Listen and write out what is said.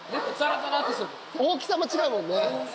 大きさも違うもんね。